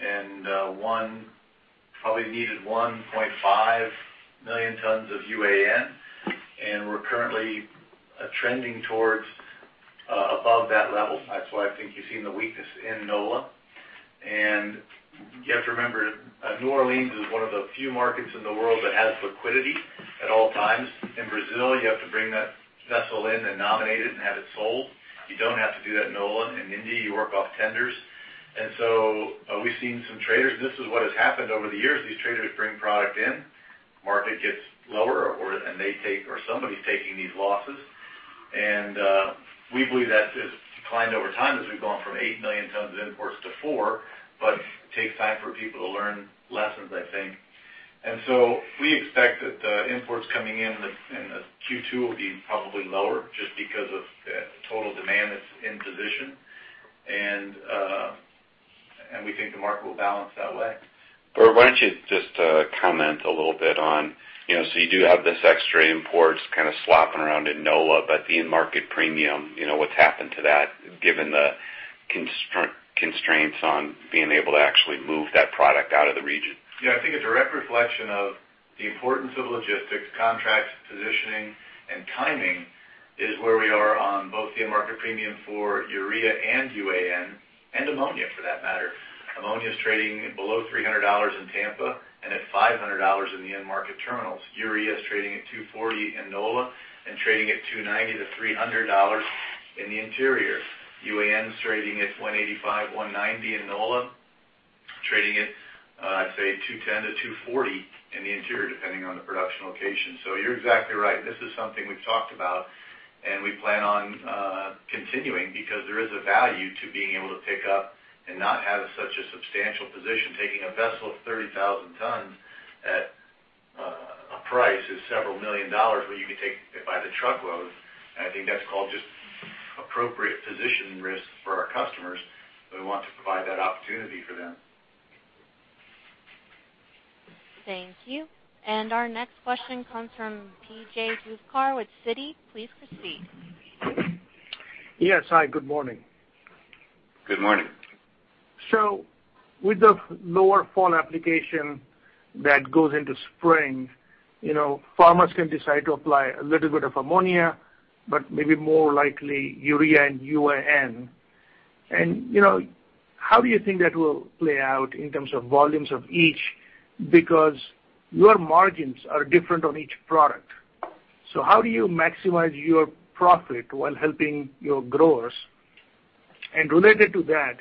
and probably needed 1.5 million tons of UAN, and we're currently trending towards above that level. That's why I think you've seen the weakness in NOLA. You have to remember, New Orleans is one of the few markets in the world that has liquidity at all times. In Brazil, you have to bring that vessel in and nominate it and have it sold. You don't have to do that in NOLA. In India, you work off tenders. We've seen some traders. This is what has happened over the years. These traders bring product in, market gets lower, and they take, or somebody's taking these losses. We believe that has declined over time as we've gone from 8 million tons of imports to four. It takes time for people to learn lessons, I think. We expect that the imports coming in Q2 will be probably lower just because of total demand that's in position. We think the market will balance that way. Bert, why don't you just comment a little bit on-- so you do have this extra imports kind of slopping around at NOLA, the end market premium, what's happened to that given the constraints on being able to actually move that product out of the region? Yeah, I think a direct reflection of the importance of logistics, contracts, positioning, and timing is where we are on both the end market premium for Urea and UAN, and Ammonia, for that matter. Ammonia is trading below $300 in Tampa and at $500 in the end market terminals. Urea is trading at $240 in NOLA and trading at $290-$300 in the interior. UAN's trading at $185, $190 in NOLA, trading at, I'd say, $210-$240 in the interior, depending on the production location. You're exactly right. This is something we've talked about, and we plan on continuing because there is a value to being able to pick up and not have such a substantial position. Taking a vessel of 30,000 tons at a price of several million dollars where you could take it by the truckload, I think that's called just appropriate positioning risk for our customers. We want to provide that opportunity for them. Thank you. Our next question comes from P.J. Juvekar with Citi. Please proceed. Yes. Hi, good morning. Good morning. With the lower fall application that goes into spring, farmers can decide to apply a little bit of Ammonia, but maybe more likely urea and UAN. How do you think that will play out in terms of volumes of each? Because your margins are different on each product. How do you maximize your profit while helping your growers? Related to that,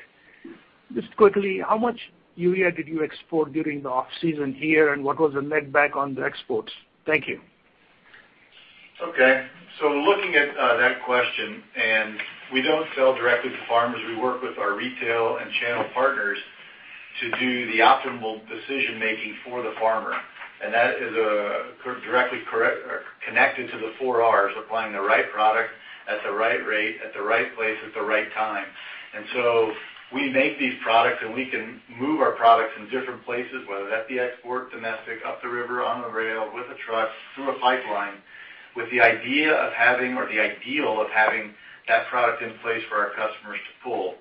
just quickly, how much urea did you export during the off-season here, and what was the net back on the exports? Thank you. Okay. Looking at that question, we don't sell directly to farmers. We work with our retail and channel partners to do the optimal decision making for the farmer. That is directly connected to the 4Rs, applying the right product at the right rate at the right place at the right time. We make these products. We can move our products in different places, whether that's the export, domestic, up the river, on the rail, with a truck, through a pipeline, with the idea of having or the ideal of having that product in place for our customers to pull.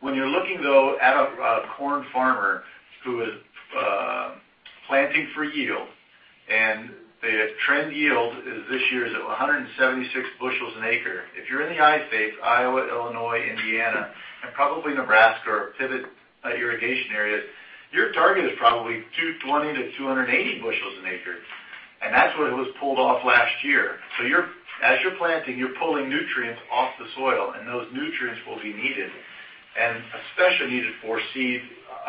When you're looking, though, at a corn farmer who is planting for yield and the trend yield this year is at 176 bushels an acre. If you're in the I states, Iowa, Illinois, Indiana, and probably Nebraska or pivot irrigation areas, your target is probably 220-280 bushels an acre. That's what it was pulled off last year. As you're planting, you're pulling nutrients off the soil. Those nutrients will be needed and especially needed for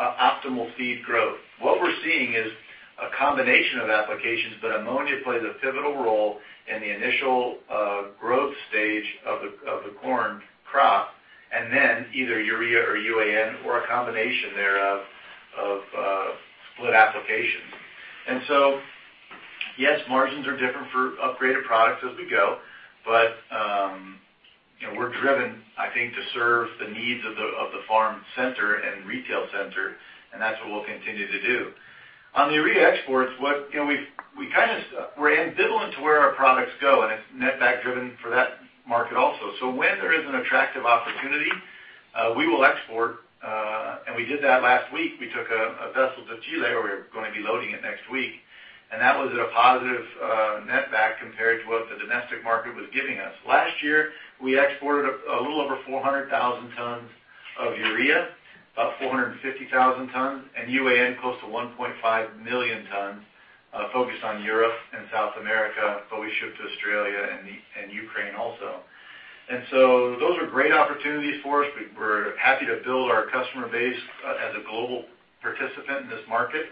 optimal seed growth. What we're seeing is a combination of applications. Ammonia plays a pivotal role in the initial growth stage of the corn crop, then either Urea or UAN or a combination thereof of split applications. Yes, margins are different for upgraded products as we go. We're driven, I think, to serve the needs of the farm center and retail center. That's what we'll continue to do. On the Urea exports, we're ambivalent to where our products go. It's net back driven for that market also. When there is an attractive opportunity, we will export. We did that last week. We took a vessel to Chile where we're going to be loading it next week. That was at a positive netback compared to what the domestic market was giving us. Last year, we exported a little over 400,000 tons of Urea, about 450,000 tons, UAN close to 1.5 million tons focused on Europe and South America. We ship to Australia and Ukraine also. Those are great opportunities for us. We're happy to build our customer base as a global participant in this market.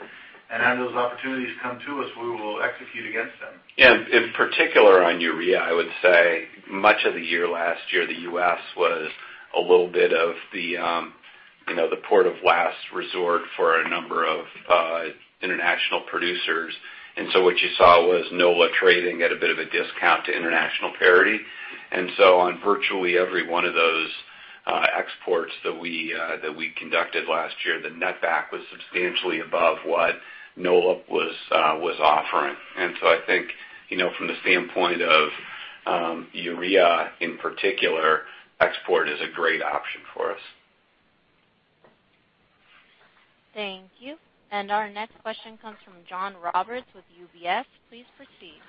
As those opportunities come to us, we will execute against them. Yeah. In particular on urea, I would say much of the year last year, the U.S. was a little bit of the port of last resort for a number of international producers. What you saw was NOLA trading at a bit of a discount to international parity. On virtually every one of those exports that we conducted last year, the netback was substantially above what NOLA was offering. I think, from the standpoint of urea in particular, export is a great option for us. Thank you. Our next question comes from John Roberts with UBS. Please proceed.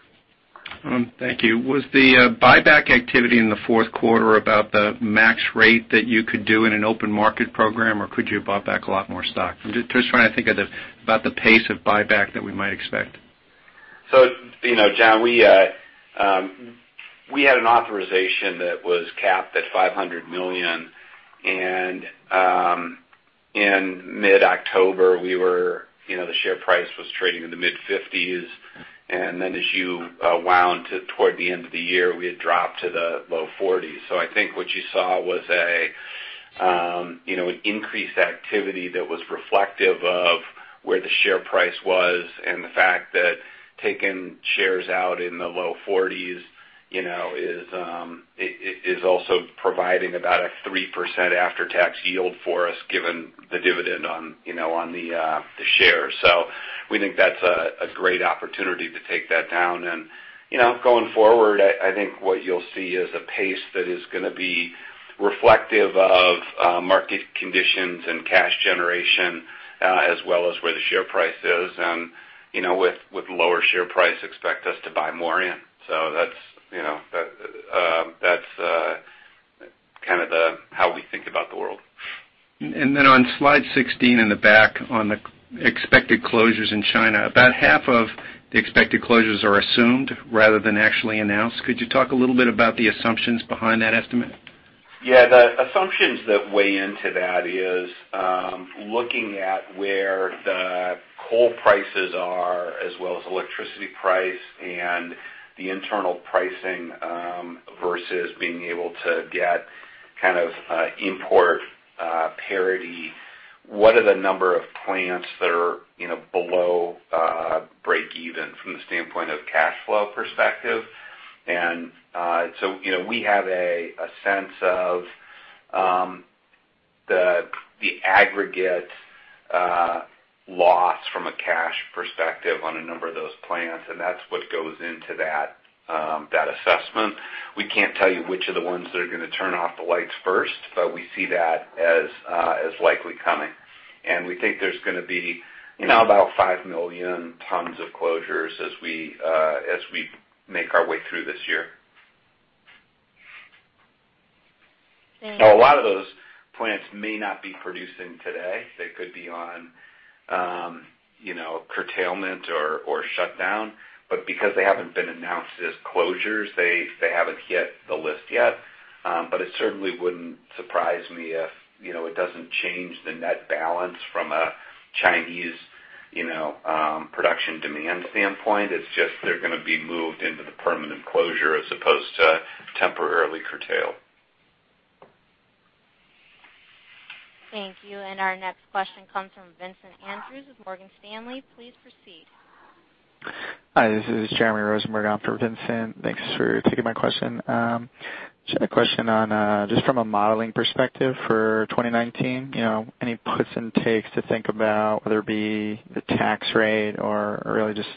Thank you. Was the buyback activity in the fourth quarter about the max rate that you could do in an open market program, or could you have bought back a lot more stock? I'm just trying to think about the pace of buyback that we might expect. John, we had an authorization that was capped at $500 million. In mid-October, the share price was trading in the mid-50s. As you wound toward the end of the year, we had dropped to the low 40s. I think what you saw was an increased activity that was reflective of where the share price was and the fact that taking shares out in the low 40s is also providing about a 3% after-tax yield for us given the dividend on the shares. We think that's a great opportunity to take that down. Going forward, I think what you'll see is a pace that is going to be reflective of market conditions and cash generation, as well as where the share price is. With lower share price, expect us to buy more in. That's how we think about the world. On slide 16 in the back on the expected closures in China, about half of the expected closures are assumed rather than actually announced. Could you talk a little bit about the assumptions behind that estimate? Yeah. The assumptions that weigh into that is looking at where the coal prices are as well as electricity price and the internal pricing versus being able to get import parity. What are the number of plants that are below breakeven from the standpoint of cash flow perspective? So we have a sense of the aggregate loss from a cash perspective on a number of those plants, and that's what goes into that assessment. We can't tell you which are the ones that are going to turn off the lights first, but we see that as likely coming. We think there's going to be about 5 million tons of closures as we make our way through this year. And- A lot of those plants may not be producing today. They could be on curtailment or shutdown. Because they haven't been announced as closures, they haven't hit the list yet. It certainly wouldn't surprise me if it doesn't change the net balance from a Chinese production demand standpoint. It's just they're going to be moved into the permanent closure as opposed to temporarily curtailed. Thank you. Our next question comes from Vincent Andrews with Morgan Stanley. Please proceed. Hi, this is Jeremy Rosenberg on for Vincent. Thanks for taking my question. Just had a question on, just from a modeling perspective for 2019, any puts and takes to think about, whether it be the tax rate or really just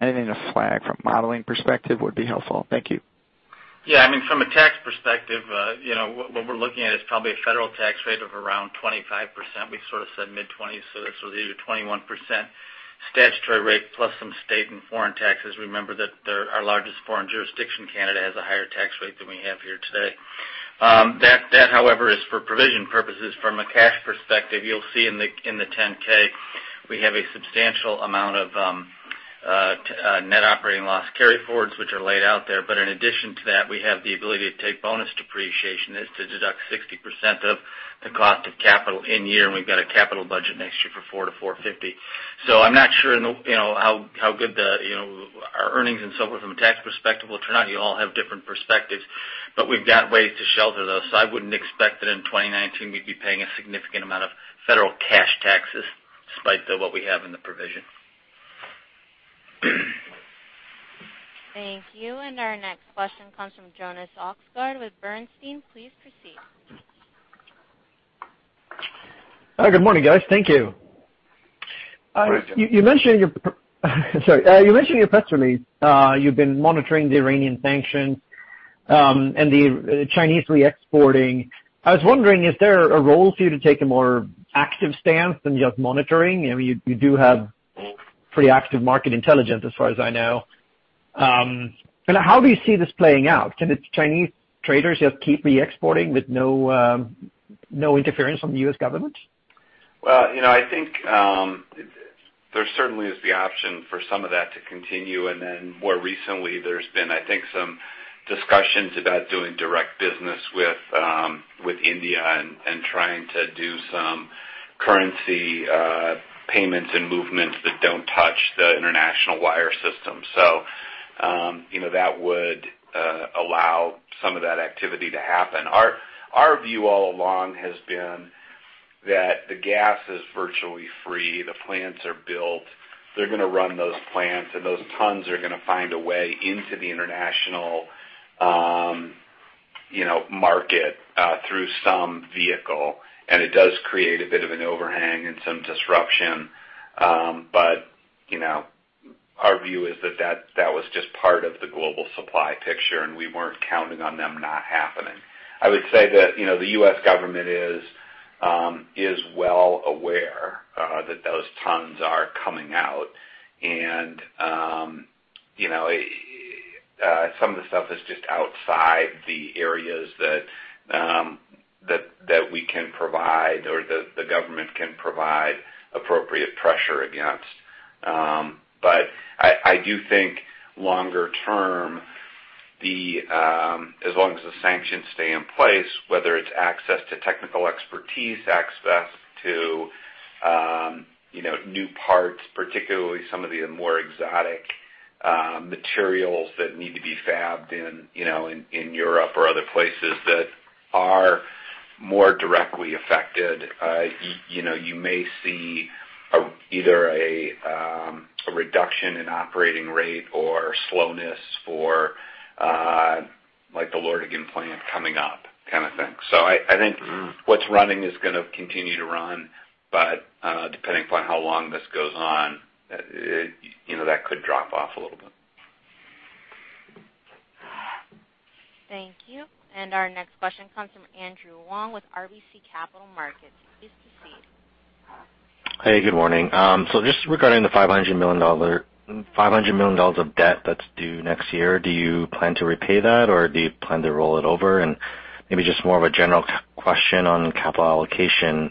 anything to flag from modeling perspective would be helpful. Thank you. Yeah. From a tax perspective, what we're looking at is probably a federal tax rate of around 25%. We've sort of said mid-20s, that's with either 21% statutory rate plus some state and foreign taxes. Remember that our largest foreign jurisdiction, Canada, has a higher tax rate than we have here today. That, however, is for provision purposes. From a cash perspective, you'll see in the 10-K we have a substantial amount of net operating loss carryforwards, which are laid out there. In addition to that, we have the ability to take bonus depreciation. That's to deduct 60% of the cost of capital in year, and we've got a capital budget next year for $400-$450. I'm not sure how good our earnings and so forth from a tax perspective will turn out. You all have different perspectives. We've got ways to shelter those. I wouldn't expect that in 2019 we'd be paying a significant amount of federal cash taxes despite what we have in the provision. Thank you. Our next question comes from Jonas Oxgaard with Bernstein. Please proceed. Hi. Good morning, guys. Thank you. You mentioned in your press release you've been monitoring the Iranian sanctions and the Chinese re-exporting. I was wondering, is there a role for you to take a more active stance than just monitoring? You do have pretty active market intelligence as far as I know. How do you see this playing out? Can the Chinese traders just keep re-exporting with no interference from the U.S. government? I think there certainly is the option for some of that to continue. More recently, there's been, I think, some discussions about doing direct business with India and trying to do some currency payments and movements that don't touch the international wire system. That would allow some of that activity to happen. Our view all along has been that the gas is virtually free. The plants are built. They're going to run those plants, and those tons are going to find a way into the international market through some vehicle. It does create a bit of an overhang and some disruption. Our view is that was just part of the global supply picture, and we weren't counting on them not happening. I would say that the U.S. government is well aware that those tons are coming out. Some of the stuff is just outside the areas that we can provide or the government can provide appropriate pressure against. I do think longer term, as long as the sanctions stay in place, whether it's access to technical expertise, access to new parts, particularly some of the more exotic materials that need to be fabbed in Europe or other places that are more directly affected, you may see either a reduction in operating rate or slowness for the Lordegan plant coming up kind of thing. I think what's running is going to continue to run, but depending upon how long this goes on, that could drop off a little bit. Thank you. Our next question comes from Andrew Wong with RBC Capital Markets. Please proceed. Good morning. Just regarding the $500 million of debt that's due next year, do you plan to repay that, or do you plan to roll it over? Maybe just more of a general question on capital allocation.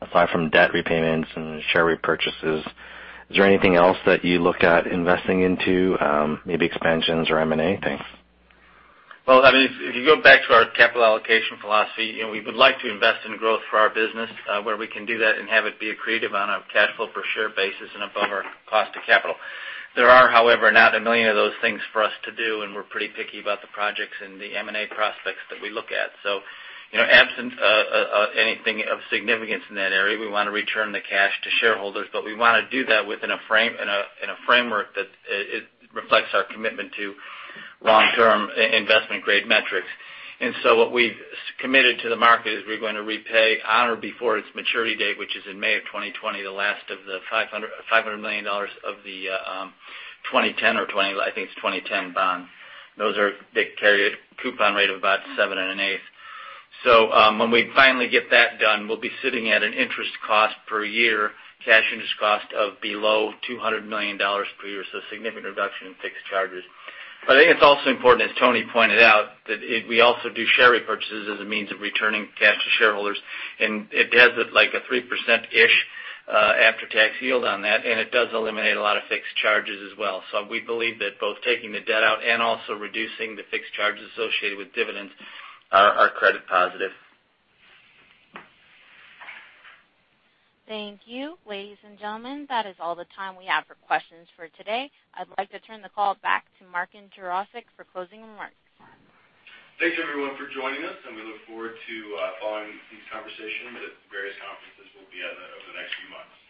Aside from debt repayments and share repurchases, is there anything else that you look at investing into, maybe expansions or M&A? Thanks. If you go back to our capital allocation philosophy, we would like to invest in growth for our business where we can do that and have it be accretive on a cash flow per share basis and above our cost of capital. There are, however, not a million of those things for us to do, and we're pretty picky about the projects and the M&A prospects that we look at. Absent anything of significance in that area, we want to return the cash to shareholders, but we want to do that within a framework that reflects our commitment to long-term investment-grade metrics. What we've committed to the market is we're going to repay on or before its maturity date, which is in May of 2020, the last of the $500 million of the 2010, I think it's 2010 bond. Those carry a coupon rate of about seventh and an eighth. When we finally get that done, we'll be sitting at an interest cost per year, cash interest cost of below $200 million per year. Significant reduction in fixed charges. I think it's also important, as Tony pointed out, that we also do share repurchases as a means of returning cash to shareholders. It has a 3%-ish after-tax yield on that, and it does eliminate a lot of fixed charges as well. We believe that both taking the debt out and also reducing the fixed charges associated with dividends are credit positive. Thank you. Ladies and gentlemen, that is all the time we have for questions for today. I'd like to turn the call back to Martin Jarosick for closing remarks. Thanks, everyone, for joining us, and we look forward to following these conversations at various conferences we'll be at over the next few months.